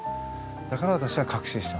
だから私は確信してます。